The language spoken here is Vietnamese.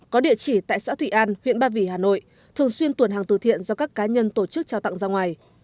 có địa chỉ tại xã thụy an huyện ba vì hà nội thường xuyên tuần hàng từ thiện do các cá nhân tổ chức trao tặng ra ngoài